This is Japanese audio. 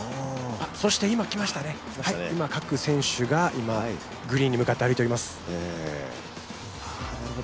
そして今来ましたね、今各選手がグリーンに向かって入っております。